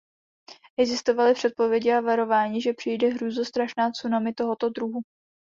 Existovaly předpovědi a varování, že přijde hrůzostrašná tsunami tohoto druhu.